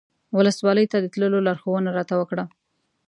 ولسوالۍ ته د تللو لارښوونه راته وکړه.